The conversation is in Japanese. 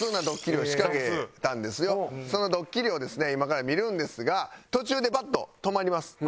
そのドッキリをですね今から見るんですが途中でバッと止まります。